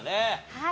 はい。